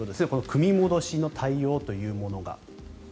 組み戻しの対応というものが。